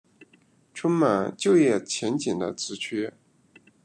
充满就业前景的职缺